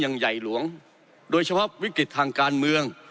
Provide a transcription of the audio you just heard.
ใหญ่หลวงโดยเฉพาะวิกฤตทางการเมือง